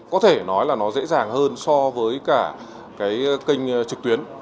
có thể nói là nó dễ dàng hơn so với cả cái kênh trực tuyến